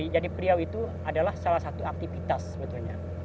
jadi priau itu adalah salah satu aktivitas sebetulnya